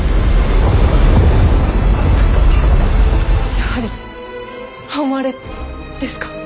やはり半割れですか？